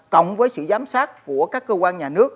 cộng với sự giám sát của các cơ quan nhà nước